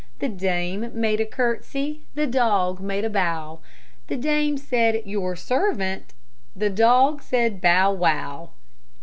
The dame made a curtsy, The dog made a bow; The dame said, "Your servant," The dog said, "Bow wow."